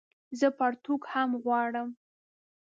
زه پرتوګ هم غواړم